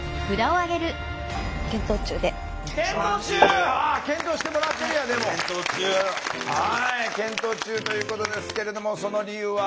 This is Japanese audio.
はい検討中ということですけれどもその理由は？